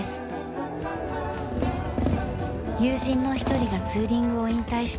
友人の一人がツーリングを引退した